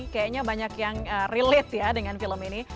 kayaknya banyak yang relate ya dengan film ini